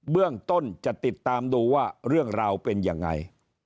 เรื่องต้นจะติดตามดูว่าเรื่องราวเป็นยังไง